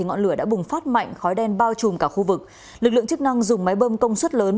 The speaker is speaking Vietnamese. ngọn lửa đã bùng phát mạnh khói đen bao trùm cả khu vực lực lượng chức năng dùng máy bơm công suất lớn